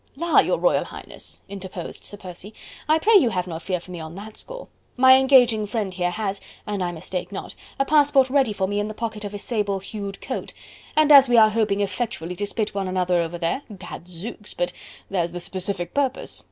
"La, your Royal Highness," interposed Sir Percy, "I pray you have no fear for me on that score. My engaging friend here has an I mistake not a passport ready for me in the pocket of his sable hued coat, and as we are hoping effectually to spit one another over there... gadzooks! but there's the specific purpose....